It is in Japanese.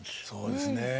そうですね。